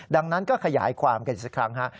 ดังนั้นก็ขยายความกันสักครั้งฮะ